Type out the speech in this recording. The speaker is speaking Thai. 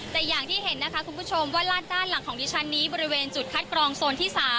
แต่อย่างที่เห็นนะคะคุณผู้ชมว่าลาดด้านหลังของดิฉันนี้บริเวณจุดคัดกรองโซนที่๓